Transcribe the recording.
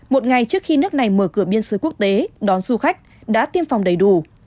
một ngày trước khi nước này mở cửa biên giới quốc tế đón du khách đã tiêm phòng đầy đủ